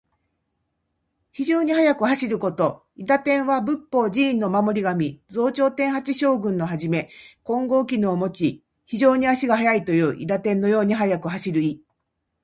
非常に速く走ること。「韋駄天」は仏法・寺院の守り神。増長天八将軍の一。金剛杵をもち、非常に足が速いという。韋駄天のように速く走る意。